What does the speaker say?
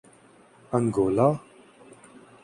Angola